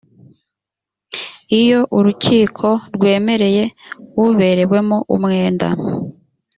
iyo urukiko rwemereye uberewemo umwenda